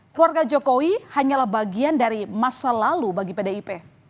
keluarga jokowi hanyalah bagian dari masa lalu bagi pdip